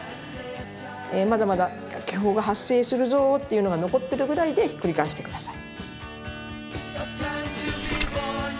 まだまだ気泡が発生するぞっていうのが残ってるぐらいでひっくり返して下さい。